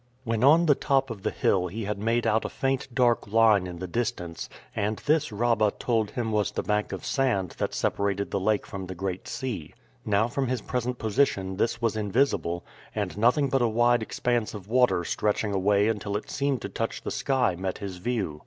When on the top of the hill he had made out a faint dark line in the distance, and this Rabah told him was the bank of sand that separated the lake from the Great Sea. Now from his present position this was invisible, and nothing but a wide expanse of water stretching away until it seemed to touch the sky met his view.